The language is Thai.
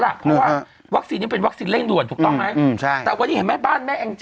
เพราะว่าวัคซีนนี้เป็นวัคซีนเร่งด่วนถูกต้องไหมแต่วันนี้เห็นไหมบ้านแม่แองจี